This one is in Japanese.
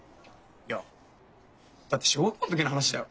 いやだって小学校の時の話だよ。